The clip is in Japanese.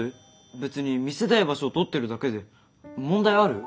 別に見せたい場所を撮ってるだけで問題ある？